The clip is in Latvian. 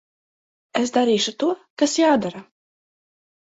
Es darīšu to, kas jādara.